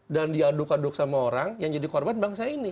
dan diaduk aduk sama orang yang jadi korban bangsa ini